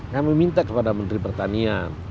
kami minta kepada menteri pertanian